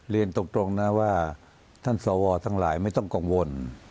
เรียนตรงนะว่าท่านสวทั้งหลายไม่ต้องกังวล